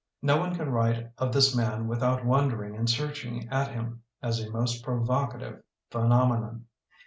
No one can write of this man with out wondering and searching at him as a most provocative phenomenon.